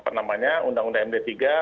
apa namanya undang undang md tiga